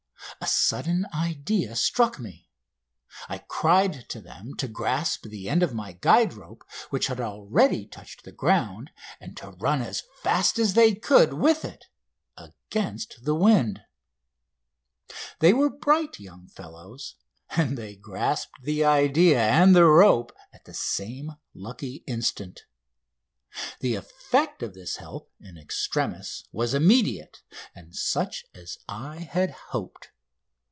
A sudden idea struck me. I cried to them to grasp the end of my guide rope, which had already touched the ground, and to run as fast as they could with it against the wind. They were bright young fellows, and they grasped the idea and the rope at the same lucky instant. The effect of this help in extremis was immediate, and such as I had hoped.